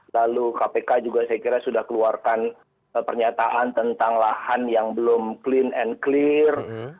lalu kpk juga saya kira sudah keluarkan pernyataan tentang lahan yang belum clean and clear